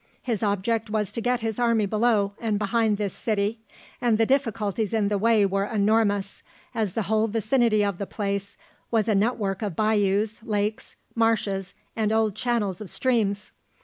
His object was to get his army below and behind this city, and the difficulties in the way were enormous, as the whole vicinity of the place "was a network of bayous, lakes, marshes, and old channels of streams."